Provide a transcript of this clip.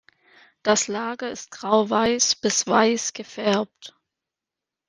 Das Lager ist grauweiß bis weiß gefärbt.